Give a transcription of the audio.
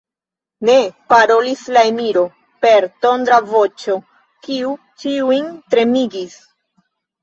Ne! parolis la emiro per tondra voĉo, kiu ĉiujn tremigis.